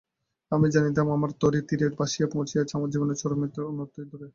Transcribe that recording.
আমি জানিতাম, আমার তরী তীরে আসিয়া পৌঁছিয়াছে, আমার জীবনের চরমতীর্থ অনতিদূরে।